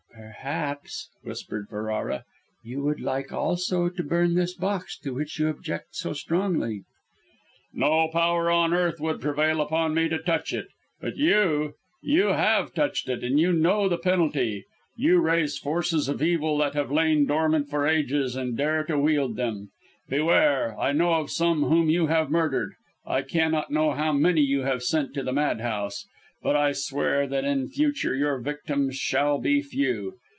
"Perhaps," whispered Ferrara, "you would like also to burn this box to which you object so strongly?" "No power on earth would prevail upon me to touch it! But you you have touched it and you know the penalty! You raise forces of evil that have lain dormant for ages and dare to wield them. Beware! I know of some whom you have murdered; I cannot know how many you have sent to the madhouse. But I swear that in future your victims shall be few.